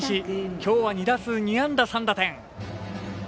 きょうは２打数２安打３打点。